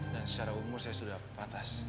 dan secara umur saya sudah patas